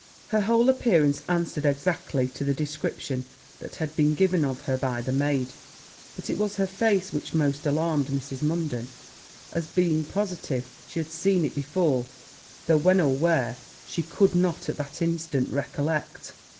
Her whole appearance answered exactly to the description that had been given of her by the maid; but it was her face which most alarmed Mrs. Munden, as being positive she had seen it before, though when or where she could not at that instant recollect.